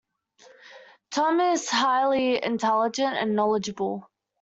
Tom is highly intelligent and knowledgeable.